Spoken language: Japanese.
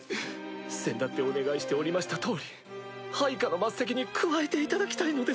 先だってお願いしておりました通り配下の末席に加えていただきたいのです。